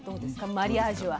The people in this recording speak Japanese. マリアージュは。